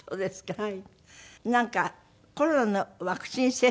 はい。